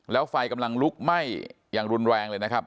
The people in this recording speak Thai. แล้วไฟกำลังลุกไหม้อย่างรุนแรงเลยนะครับ